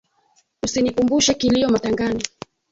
Usinikumbushe kilio matangani